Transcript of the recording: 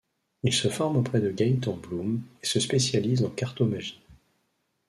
Il se forme auprès de Gaëtan Bloom et se spécialise en cartomagie.